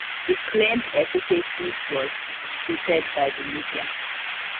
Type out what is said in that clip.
The claimed efficacy was disputed by the media.